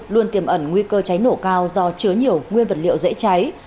luôn tiềm ẩn nguy cơ cháy nổ cao do chứa nhiều nguyên vật liệu dễ cháy